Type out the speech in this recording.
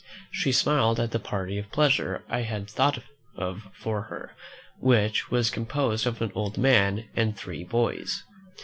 She smiled at the party of pleasure I had thought of for her, which was composed of an old man and three boys.